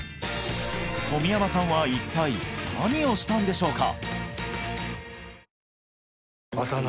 冨山さんは一体何をしたんでしょうか！？